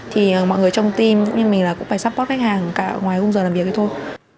thì mọi người trong team cũng như mình là cũng phải support khách hàng cả ngoài khung giờ làm việc thế thôi